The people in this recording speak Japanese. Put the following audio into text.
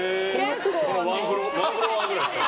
ワンフロアぐらいですか？